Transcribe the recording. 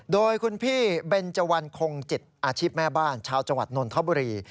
โดยคุณพี่เบนเจวันคงจิตอาชีพแม่บ้านชาวจังหวัดนนทบุรี